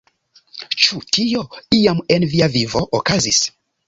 Ĉu tio, iam en via vivo, okazis?